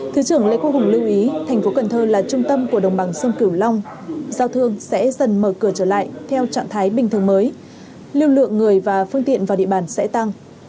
thứ trưởng lê quốc hùng lưu ý thành phố cần thơ là trung tâm của đồng bằng sông cửu long giao thương sẽ dần mở cửa trở lại theo trạng thái bình thường mới lưu lượng người và phương tiện vào địa bàn sẽ tăng